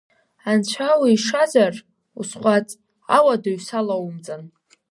Анцәа уишазар, усҟәаҵ, ауадаҩ салоумҵан!